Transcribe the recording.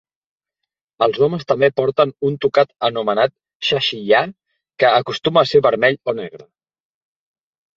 Els homes també porten un tocat anomenat 'Shashiyah', que acostuma a ser vermell o negre.